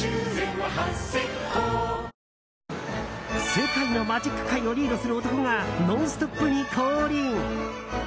世界中のマジック界をリードする男が「ノンストップ！」に降臨。